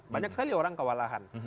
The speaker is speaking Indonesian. banyak sekali orang kewalahan